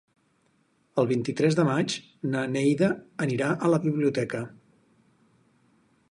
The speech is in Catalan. El vint-i-tres de maig na Neida anirà a la biblioteca.